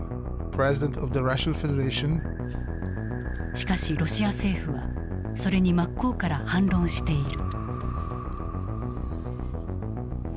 しかしロシア政府はそれに真っ向から反論している。